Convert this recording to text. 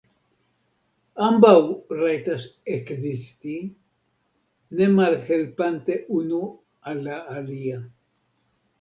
Ambaŭ rajtas ekzisti, ne malhelpante unu al la alia.